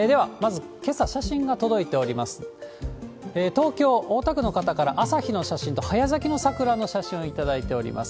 東京・大田区の方から、朝日の写真と早咲きの桜の写真を頂いております。